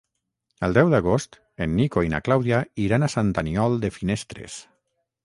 El deu d'agost en Nico i na Clàudia iran a Sant Aniol de Finestres.